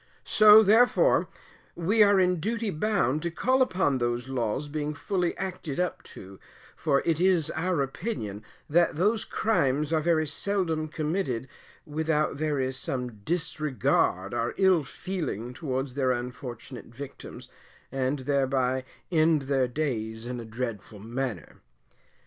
So, therefore, we are in duty bound to call upon those laws being fully acted up to, for it is our opinion that those crimes are very seldom committed without there is some disregard or ill feeling towards their unfortunate victims, and thereby end their days in a dreadful manner.